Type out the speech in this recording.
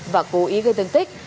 và cố ý gây tương tích